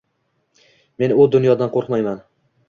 Men u dunyodan qoʻrqmayman